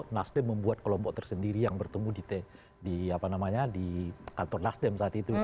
nasdem membuat kelompok tersendiri yang bertemu di di apa namanya di kantor nasdem saat itu